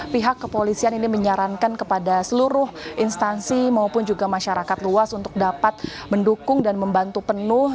pihak kepolisian ini menyarankan kepada seluruh instansi maupun juga masyarakat luas untuk dapat mendukung dan membantu penuh